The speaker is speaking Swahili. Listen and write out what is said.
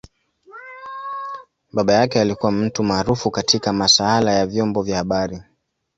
Baba yake alikua mtu maarufu katika masaala ya vyombo vya habari.